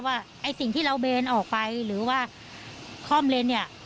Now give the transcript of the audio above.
ไอ้สิ่งที่เราเบนออกไปหรือว่าคล่อมเลนเนี่ย